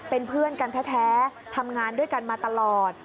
เป็นเพื่อนกันแท้ทำงานด้วยกันมาตลอด